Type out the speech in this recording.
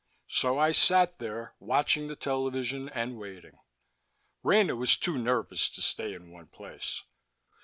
So I sat there, watching the television and waiting. Rena was too nervous to stay in one place.